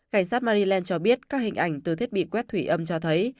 cảnh sát mariland cho biết các hình ảnh từ thiết bị quét thủy âm cho thấy